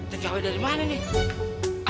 tkw dari mana nih